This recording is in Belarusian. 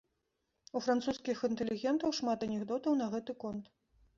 У французскіх інтэлігентаў шмат анекдотаў на гэты конт.